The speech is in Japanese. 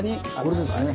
これですね。